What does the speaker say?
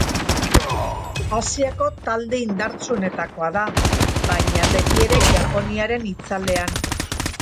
Asiako talde indartsuenetakoa da baina beti ere Japoniaren itzalean.